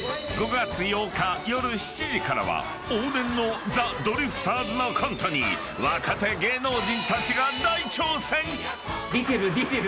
５月８日夜７時からは往年のザ・ドリフターズのコントに若手芸能人たちが大挑戦！